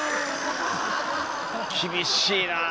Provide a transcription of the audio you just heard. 厳しいなあ！